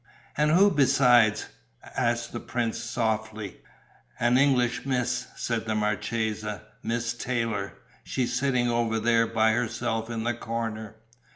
"And who besides?" asked the prince, softly. "An English miss," said the marchesa. "Miss Taylor: she's sitting over there, by herself in the corner.